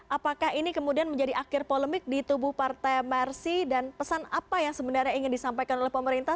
apakah ini kemudian menjadi akhir polemik di tubuh partai mercy dan pesan apa yang sebenarnya ingin disampaikan oleh pemerintah